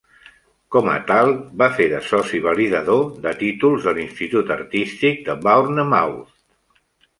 Com a tal, va fer de soci validador de títols de l'Institut Artístic de Bournemouth.